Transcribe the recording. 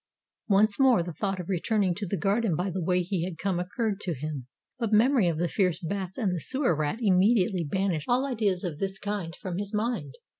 Once more the thought of returning to the garden by the way he had come occurred to him; but memory of the fierce bats and the Sewer Rat immediately banished all ideas of this kind from his mind.